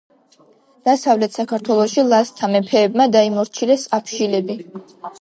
დასავლეთ საქართველოში ლაზთა მეფეებმა დაიმორჩილეს აფშილები.